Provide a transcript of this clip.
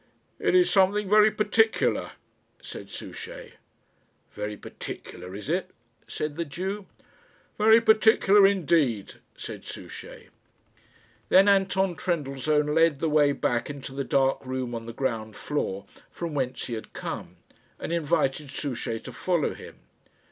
"It is something very particular," said Souchey. "Very particular is it?" said the Jew. "Very particular indeed." said Souchey. Then Anton Trendellsohn led the way back into the dark room on the ground floor from whence he had come, and invited Souchey to follow him.